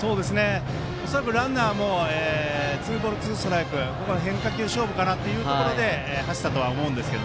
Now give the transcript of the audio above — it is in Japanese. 恐らくランナーもツーボール、ツーストライクでここは変化球勝負かなということで走ったと思うんですが。